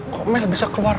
kok mel bisa keluar kamar